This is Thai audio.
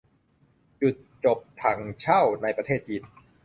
จุดจบ ถั่งเช่า ในประเทศจีน